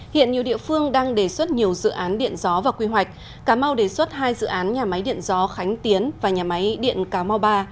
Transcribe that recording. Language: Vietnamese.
hiện nhiều địa phương đang đề xuất nhiều dự án điện gió và quy hoạch cà mau đề xuất hai dự án nhà máy điện gió khánh tiến và nhà máy điện cà mau ba